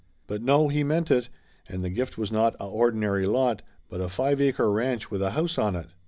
But no, he meant it, and the gift was not a ordinary lot, but a five acre ranch with a house on it.